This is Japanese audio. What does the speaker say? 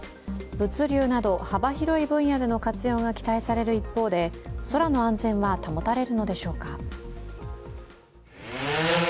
物流など幅広い分野での活用が期待される一方で空の安全は保たれるのでしょうか。